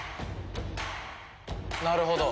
なるほど。